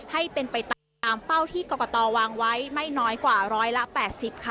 ให้เป็นไปตามเป้าที่กรกตวางไว้ไม่น้อยกว่าร้อยละ๘๐ค่ะ